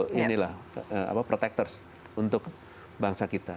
double protectors untuk bangsa kita